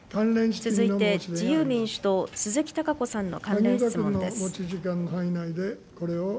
続いて自由民主党、鈴木貴子さんの関連質問です。